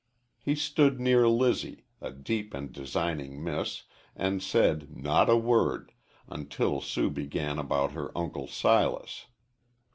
He stood near Lizzie a deep and designing miss and said not a word, until Sue began about her Uncle Silas.